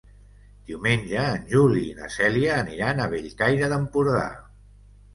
Diumenge en Juli i na Cèlia aniran a Bellcaire d'Empordà.